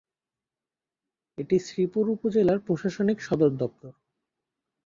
এটি শ্রীপুর উপজেলার প্রশাসনিক সদরদপ্তর।